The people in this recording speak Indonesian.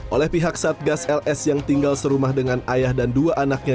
oleh pihak satgas ls yang tinggal serumah dengan ayah dan dua anaknya